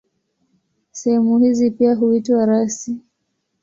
Sehemu hizi pia huitwa rasi.